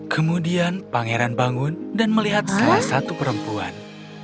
kemudian pangeran bangun dan melihat salah satu perempuan